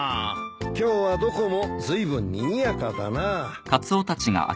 今日はどこもずいぶんにぎやかだなあ。